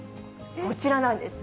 こちらなんです。